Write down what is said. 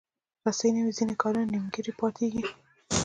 رسۍ نه وي، ځینې کارونه نیمګړي پاتېږي.